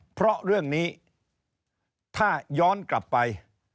เพราะเรื่องนี้ถ้าย้อนกลับไป